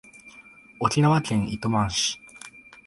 沖縄県糸満市